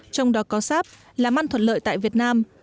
trong đó có sáp làm ăn thuận lợi tại việt nam